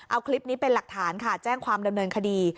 เอาคลิปนี้เป็นหลักฐานค่ะแจ้งความดำเนินคดี